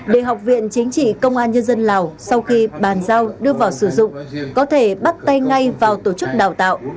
để học viện chính trị công an nhân dân lào sau khi bàn giao đưa vào sử dụng có thể bắt tay ngay vào tổ chức đào tạo